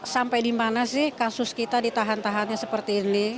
sampai di mana sih kasus kita ditahan tahannya seperti ini